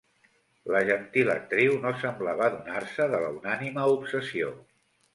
La gentil actriu no semblava adonar-se de la unànime obsessió.